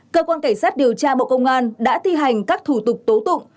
cơ quan cảnh sát điều tra bộ công an đã thi hành các thủ tục tố tụng